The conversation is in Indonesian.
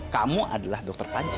kamu adalah dokter panji